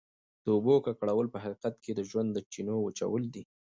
د اوبو ککړول په حقیقت کې د ژوند د چینو وچول دي.